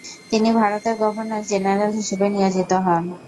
তিনি ভারতের গভর্নর-জেনারেল হিসাবে নিয়োজিত হন।